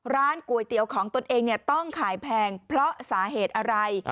ร้านก๋วยเตี๋ยวของตนเองต้องขายแพงเพราะสาเหตุอะไร